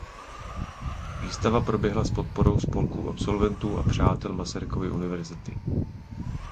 Výstava proběhla s podporou Spolku absolventů a přátel Masarykovy univerzity.